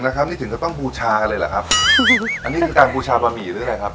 นะครับนี่ถึงก็ต้องบูชากันเลยเหรอครับอันนี้คือการบูชาบะหมี่หรืออะไรครับ